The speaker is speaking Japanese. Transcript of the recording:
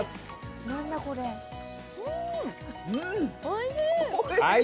おいしい！